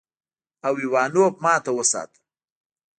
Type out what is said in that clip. او ايوانوف ماته وساته.